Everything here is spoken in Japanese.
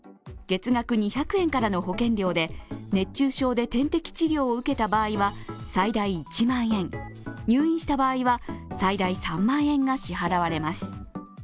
月額２００円からの保険料で熱中症で点滴治療を受けた場合は最大１万円、入院した場合は最大３万円が支払われます。